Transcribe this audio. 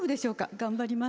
頑張ります。